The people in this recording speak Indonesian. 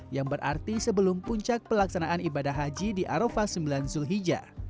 yang berarti sebelum puncak pelaksanaan ibadah haji di arafah sembilan zulhijjah